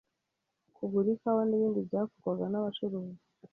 kugura ikawa n’ibindi byakorwaga n’abacuruzi